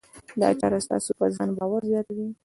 دا چاره ستاسې په ځان باور زیاتوي.